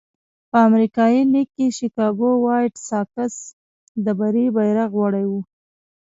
په امریکایي لېګ کې شکاګو وایټ ساکس د بري بیرغ وړی وو.